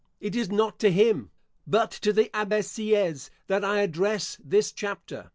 It is not to him, but to the Abbe Sieyes, that I address this chapter.